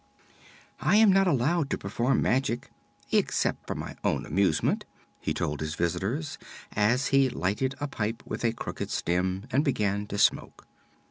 "I am not allowed to perform magic, except for my own amusement," he told his visitors, as he lighted a pipe with a crooked stem and began to smoke.